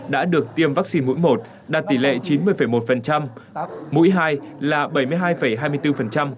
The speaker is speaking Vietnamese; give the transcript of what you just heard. đã được tiêm vaccine mũi một đạt tỷ lệ chín mươi một mũi hai là bảy mươi hai hai mươi bốn